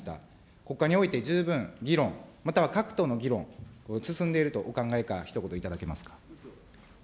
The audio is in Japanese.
ここにおいて十分、議論、または各党の議論、進んでいるとお考えか、ひと言頂けますか。